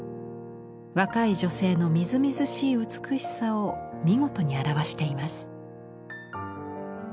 若い女性のみずみずしい美しさを見事に表しています。